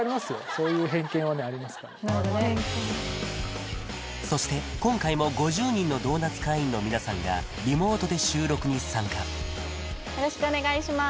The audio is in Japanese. そういうそして今回も５０人のドーナツ会員の皆さんがリモートで収録に参加よろしくお願いします